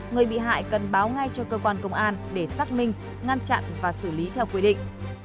người bị hại cần báo ngay cho cơ quan công an để xác minh ngăn chặn và xử lý theo quy định